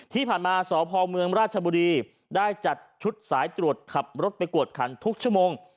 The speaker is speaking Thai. ที่ผ่านมาสพเมืองราชบุรีได้จัดชุดสายตรวจขับรถไปกวดขันทุกชั่วโมง